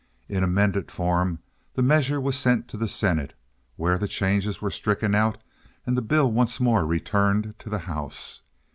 In amended form the measure was sent to the senate, where the changes were stricken out and the bill once more returned to the house.